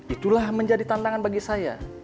itulah menjadi tantangan bagi saya